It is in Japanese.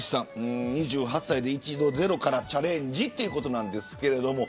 ２８歳で一度、ゼロからチャレンジということです。